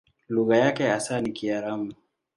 Lugha yake hasa ni Kiaramu.